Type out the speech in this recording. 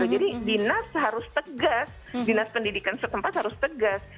jadi dinas harus tegas dinas pendidikan setempat harus tegas